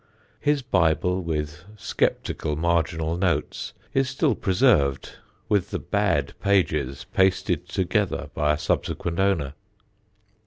His Bible, with sceptical marginal notes, is still preserved, with the bad pages pasted together by a subsequent owner.